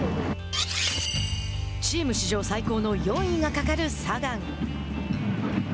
チーム史上最高の４位がかかるサガン。